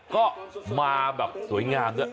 ก็มาแบบสวยงามด้วย